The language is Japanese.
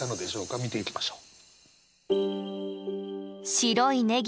見ていきましょう。